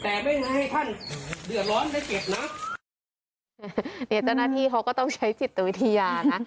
แต่ไม่ให้ท่านเดือดร้อนและเจ็บนะเดี๋ยวตั้งนาทีเขาก็ต้องใช้จิตวิทยานะ